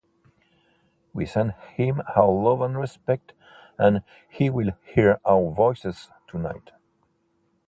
We send him our love and respect, and he will hear our voices tonight.